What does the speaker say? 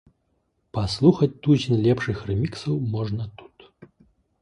Паслухаць тузін лепшых рэміксаў можна тут.